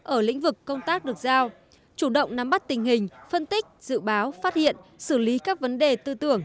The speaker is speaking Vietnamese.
ở lĩnh vực công tác được giao chủ động nắm bắt tình hình phân tích dự báo phát hiện xử lý các vấn đề tư tưởng